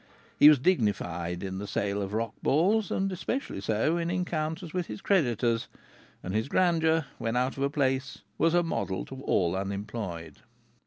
He was dignified in the sale of rock balls, and especially so in encounters with his creditors; and his grandeur when out of a place was a model to all unemployed.